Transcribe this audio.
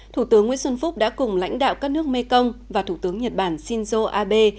thủ tướng nguyễn xuân phúc đã cùng lãnh đạo các nước mekong và thủ tướng nhật bản shinzo abe